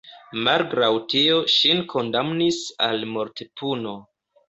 Malgraŭ tio ŝin kondamnis al mortpuno.